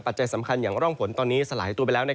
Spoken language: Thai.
จัยสำคัญอย่างร่องฝนตอนนี้สลายตัวไปแล้ว